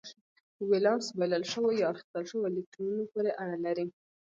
ولانس بایلل شوو یا اخیستل شوو الکترونونو پورې اړه لري.